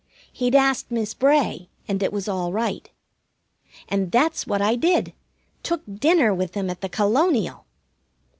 He'd asked Miss Bray, and it was all right. And that's what I did. Took dinner with him at the Colonial!